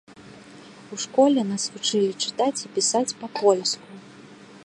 У школе нас вучылі чытаць і пісаць па-польску.